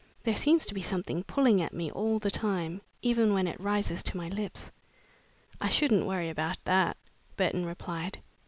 There seems to be something pulling at me all the time, even when it rises to my lips." "I shouldn't worry about that," Burton replied.